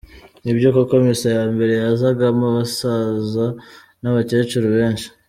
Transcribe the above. Nibyo koko misa ya mbere yazagamo abasaza n’abakecuru benshi.